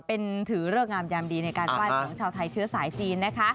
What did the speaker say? เป็นถือเลิกงามยามดีในการไหว้ของชาวไทยเชื้อสายจีนนะคะ